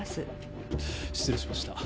失礼しました。